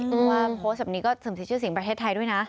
เพราะว่าโพสต์แบบนี้ก็เสื่อมเสียชื่อเสียงประเทศไทยด้วยนะ